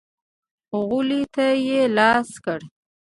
غولي ته يې لاس کړ.